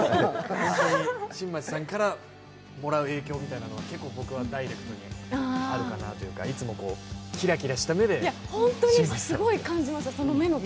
新町さんからもらう影響みたいなものはダイレクトにあるかなというかいつもキラキラした目で新町さんを。